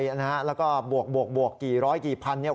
แล้วก็บวกกี่ร้อยกี่พันเนี่ย